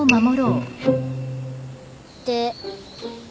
「で」